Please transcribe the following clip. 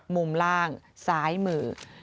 มุมล่างซ้ายมือ